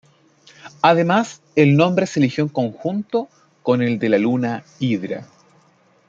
Además el nombre se eligió en conjunto con el de la luna Hidra.